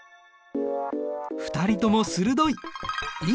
２人とも鋭い！